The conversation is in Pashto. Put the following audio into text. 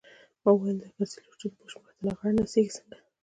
ما وويل او د کرزي لور چې د بوش مخې ته لغړه نڅېږي څنګه.